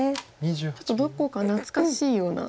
ちょっとどこか懐かしいような気持ちにも。